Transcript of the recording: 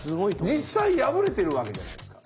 実際破れてるわけじゃないですか。